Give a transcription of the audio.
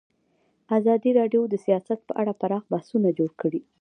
ازادي راډیو د سیاست په اړه پراخ بحثونه جوړ کړي.